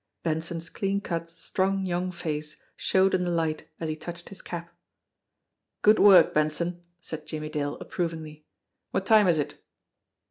Benson's clean cut, strong young face showed in the light as he touched his cap. "Good work, Benson !" said Jimmie Dale approvingly. "What time is it?"